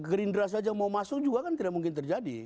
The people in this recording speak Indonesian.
gerindra saja mau masuk juga kan tidak mungkin terjadi